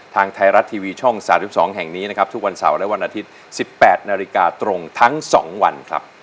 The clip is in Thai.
ทางไทยรัสทีวีช่องสามสิบสองแห่งนี้นะครับทุกวันเสาร์และวันอาทิตย์สิบแปดนาฬิกาตรงทั้งสองวันครับ